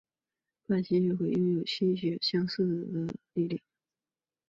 半吸血鬼拥有与吸血鬼相似的力量。